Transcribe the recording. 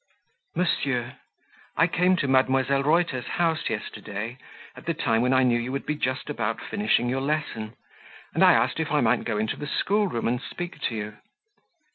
"MONSIEUR, "I came to Mdlle. Reuter's house yesterday, at the time when I knew you would be just about finishing your lesson, and I asked if I might go into the schoolroom and speak to you.